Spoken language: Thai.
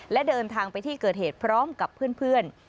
และเดินทางไปที่เกิดเหตุพร้อมกับเพื่อน